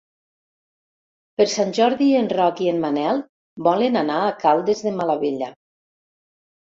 Per Sant Jordi en Roc i en Manel volen anar a Caldes de Malavella.